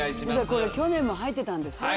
これ去年も入ってたんですよ。